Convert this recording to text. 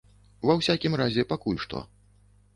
Ва ўсякім разе пакуль што.